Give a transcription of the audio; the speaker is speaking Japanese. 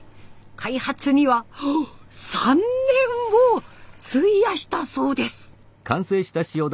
開発には３年を費やしたそうです。